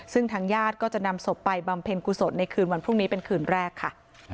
ซึ่งทางญาติก็จะนำศพไปบำเพ็ญกุศลในคืนวันพรุ่งนี้เป็นคืนแรกค่ะ